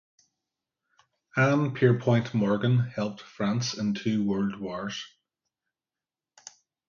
Anne Pierpoint Morgan helped France in two world wars.